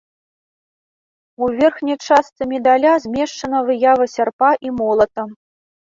У верхняй частцы медаля змешчана выява сярпа і молата.